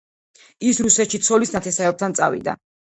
ის რუსეთში ცოლის ნათესავებთან წავიდა.